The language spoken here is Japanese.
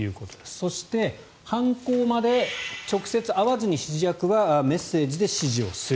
そして、犯行まで直接会わずに指示役はメッセージで指示をする。